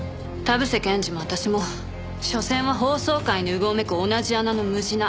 田臥検事も私もしょせんは法曹界にうごめく同じ穴のむじな。